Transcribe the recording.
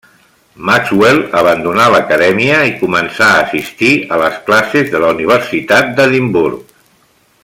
Maxwell abandonà l'Acadèmia i començà a assistir a les classes de la Universitat d'Edimburg.